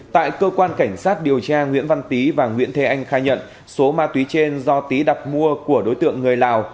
tại cơ quan cảnh sát điều tra nguyễn văn tý và nguyễn thế anh khai nhận số ma túy trên do tý đặt mua của đối tượng người lào